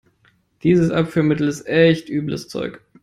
Dieses Abführmittel ist echt übles Zeug.